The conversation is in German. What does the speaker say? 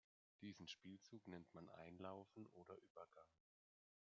Diesen Spielzug nennt man Einlaufen oder Übergang.